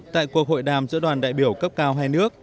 tại cuộc hội đàm giữa đoàn đại biểu cấp cao hai nước